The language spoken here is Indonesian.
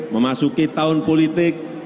memasuki tahun politik